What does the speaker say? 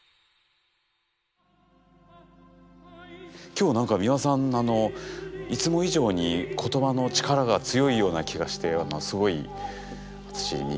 今日は何か美輪さんいつも以上に言葉の力が強いような気がしてすごい私に。